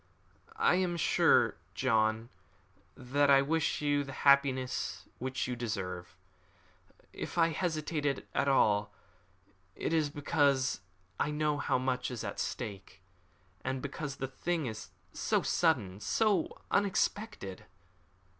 "I am sure, John, that I wish you the happiness which you deserve. If I hesitated at all, it is because I know how much is at stake, and because the thing is so sudden, so unexpected."